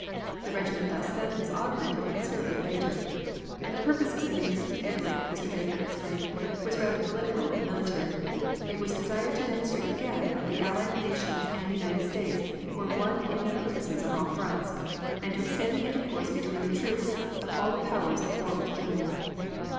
The regiment thus sent was augmented considerably later. The purpose of sending troops to Italy, Mr. Baker explained, was rather political than military. It was desired to demonstrate again that the Allied nations and the United States were one in their purposes on all fronts, and to extend the intercourse between the troops of all the powers at war with Germany.